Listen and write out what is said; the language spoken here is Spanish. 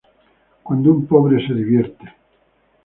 Cuando un pobre se divierte